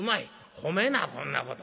「褒めなこんなこと」。